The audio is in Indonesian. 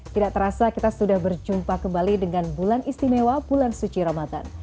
tidak terasa kita sudah berjumpa kembali dengan bulan istimewa bulan suci ramadan